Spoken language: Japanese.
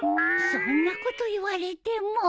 そんなこと言われても。